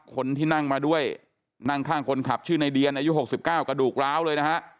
คนที่นั่งมาด้วยนั่งข้างคนขับชื่อในเดียนอายุ๖๙กระดูกร้าวเลยนะฮะ